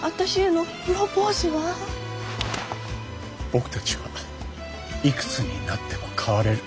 僕たちはいくつになっても変われる。